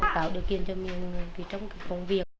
tạo điều kiện cho mình trong cái phòng việc